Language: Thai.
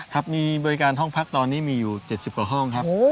ครับมีบริการห้องพักตอนนี้มีอยู่๗๐กว่าห้องครับ